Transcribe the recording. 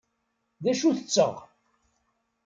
D acu tetteɣ?